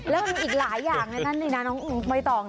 แล้วมันมีอีกหลายอย่างในนั้นดินะน้องอุ้งไปต่อกันนะ